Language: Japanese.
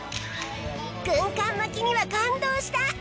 軍艦巻きには感動した！